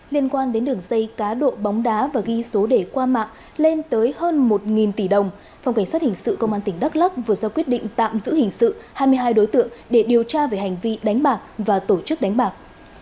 liên quan đến đường dây cá độ bóng đá và ghi số đề qua mạng lên tới hơn một tỷ đồng phòng cảnh sát hình sự công an tỉnh đắk lắc vừa ra quyết định tạm giữ hình sự hai mươi hai đối tượng để điều tra về hành vi đánh bạc và tổ chức đánh bạc